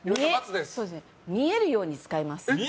見えるように使います。